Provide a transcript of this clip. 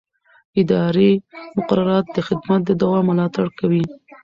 اداري مقررات د خدمت د دوام ملاتړ کوي.